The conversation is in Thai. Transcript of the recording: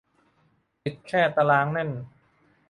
ติดแค่ตารางแน่น